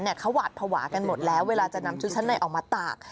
เขาหวาดภาวะกันหมดแล้วเวลาจะนำชุดชั้นในออกมาตาก